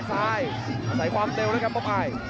อันตรายภูมิซ้ายความเต็มเลยครับบ๊อบไอ